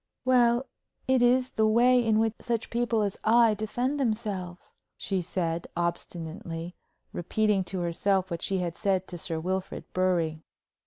"Well, it is the way in which such people as I defend themselves," she said, obstinately, repeating to herself what she had said to Sir Wilfrid Bury.